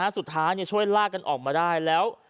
สุดท้ายช่วยลากกันออกมาได้แล้ว